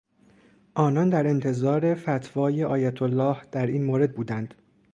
آنان در انتظار فتوای آیتالله در این مورد بودند.